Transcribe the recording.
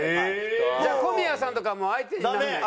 じゃあ小宮さんとかはもう相手にならない？